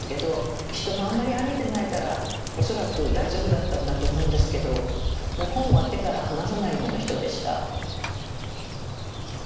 人もあんまり歩いてないから恐らく大丈夫だったんだと思うんですけどもう本は手から離さないような人でした。